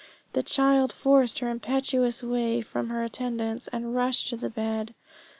The child forced her impetuous way from her attendants, and rushed to the bed.